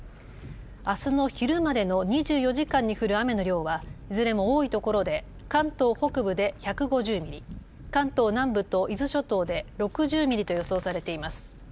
あすの昼までの２４時間に降る雨の量はいずれも多いところで関東北部で１５０ミリ、関東南部と伊豆諸島で６０ミリと予想されています。